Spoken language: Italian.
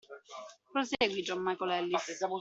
Prosegui, John Micael Ellis.